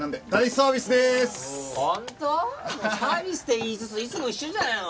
サービスって言いつついつも一緒じゃないの？